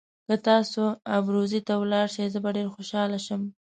که تاسي ابروزي ته ولاړ شئ زه به ډېر خوشاله شم.